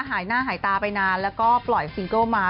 หายหน้าหายตาไปนานแล้วก็ปล่อยซิงเกิ้ลมา